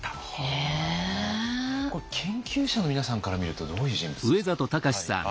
これ研究者の皆さんから見るとどういう人物ですか？